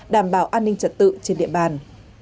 đảm bảo an ninh trật tự trên địa bàn